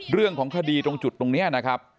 เรื่องของคดีตรงจุดตรงนี้นะครับ